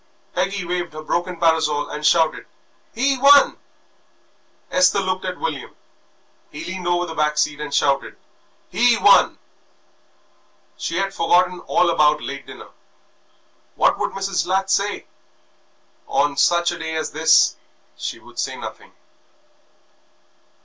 Peggy waved her broken parasol and shouted, "He won!" Esther looked at William. He leaned over the back seat and shouted, "He won!" She had forgotten all about late dinner. What would Mrs. Latch say? On such a day as this she would say nothing.